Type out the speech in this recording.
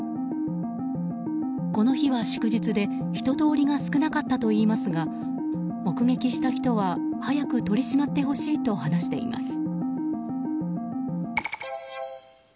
この日は祝日で人通りが少なかったといいますが目撃した人は早く取り締まってほしいと話しています。